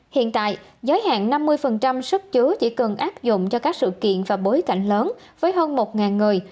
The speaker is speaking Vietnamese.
hiện tại giới hạn năm mươi sức chứa chỉ cần áp dụng cho các sự kiện và bối cảnh lớn với hơn một người